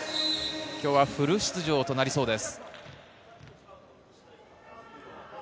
今日はフル出場となりそうです。